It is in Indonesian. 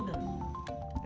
dan hasilnya negatif narkoba